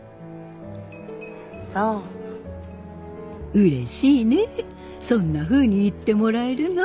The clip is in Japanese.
うれしいねそんなふうに言ってもらえるの。